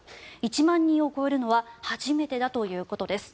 １万人を超えるのは初めてだということです。